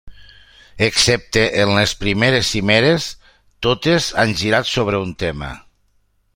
Excepte en les primeres Cimeres, totes han girat sobre un tema.